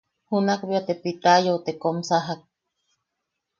Junak bea te Pitayau te kom sajak.